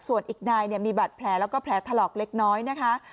ส่วนอีกนายมีบัตรแผลแล้วก็แผลถลอกเล็กน้อยนะคะ